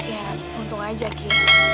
ya untung aja ki